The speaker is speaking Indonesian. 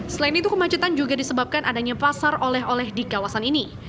selain itu kemacetan juga disebabkan adanya pasar oleh oleh di kawasan ini